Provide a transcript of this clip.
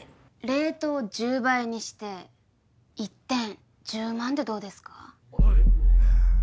レートを１０倍にして１点１０万でどうですか？